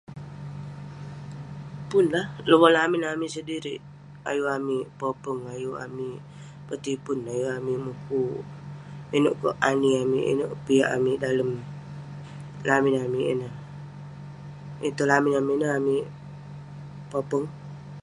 Pun lah lubang lamin amik sedirik ayuk amik popeng ayuk amik petipun ayuk amik mukuk ineuk peh ani amik dalem lamin amik ineh yeng tong lamin amik ineh amik popeng